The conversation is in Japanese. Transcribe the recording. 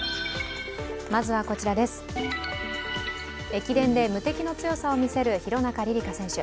駅伝で無敵の強さを見せる廣中璃梨佳選手。